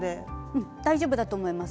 うん大丈夫だと思います。